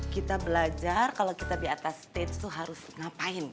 kita belajar kalau kita di atas stage itu harus ngapain